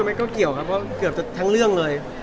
ถอดเสื้อเกี่ยวจริงเหมือนทั้งเรื่องเลย